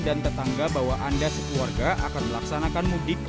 dan tetangga bahwa anda sekeluarga akan melaksanakan mudik